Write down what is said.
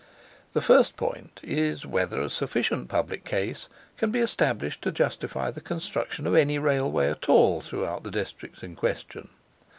The first point is, whether a sufficient public case can be established to justify the construction of any Railway at all throughout the districts in question.